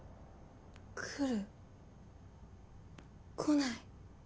来る。来ない。